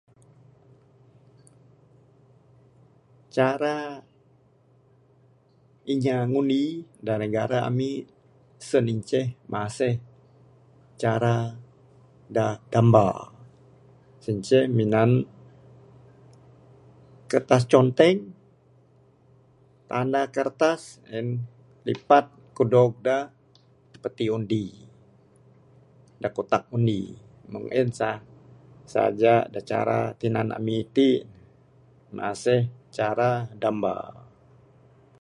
Cara inya ngundi da negara ami sien inceh maseh cara da damba, sien ceh minan kertas conteng, tanda kertas and lipat kudog da peti undi, da kutak undi, meng en sa saja cara da tinan ami ti masih cara damba.